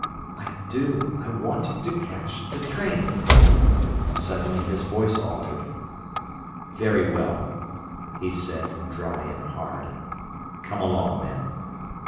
"I do—I want to catch the train." Suddenly his voice altered. "Very well," he said, dry and hard. "Come along, then."